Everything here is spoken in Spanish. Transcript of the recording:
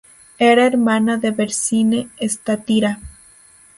Era hermana de Barsine-Estatira.